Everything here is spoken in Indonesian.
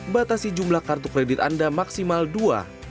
batasi jumlah kartu kredit anda maksimal dua